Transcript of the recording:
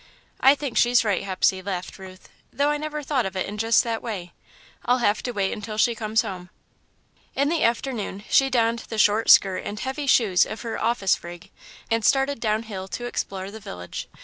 "I think she's right, Hepsey," laughed Ruth, "though I never thought of it in just that way. I'll have to wait until she comes home." In the afternoon she donned the short skirt and heavy shoes of her "office rig," and started down hill to explore the village.